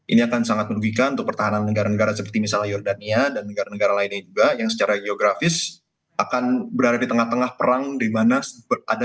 ini akan sangat menugikan untuk pertahanan negara negara seperti misalnya yordania dan negara negara lainnya juga yang secara geografis akan berada di tengah tengah perang di mana ada banyak sisi di sekitar negara tersebut